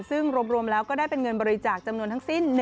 ซึ่งรวมแล้วก็ได้เป็นเงินบริจาคจำนวนทั้งสิ้น